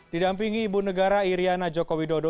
didampingi ibu negara iryana jokowi dodo